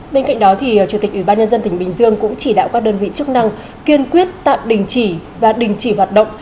bên cạnh đó chủ tịch ubnd tỉnh bình dương cũng chỉ đạo các đơn vị chức năng kiên quyết tạm đình chỉ và đình chỉ hoạt động